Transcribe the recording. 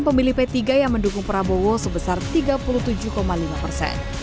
pemilih p tiga yang mendukung prabowo sebesar tiga puluh tujuh lima persen